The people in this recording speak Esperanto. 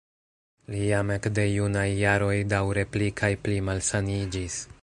Li jam ekde junaj jaroj daŭre pli kaj pli malsaniĝis.